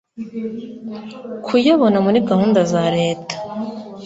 kuyabona muri gahunda za reta